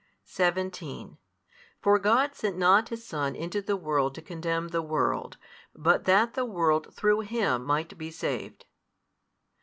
17 For God sent not His Son into the world to condemn the world, but that the world through Him might be saved.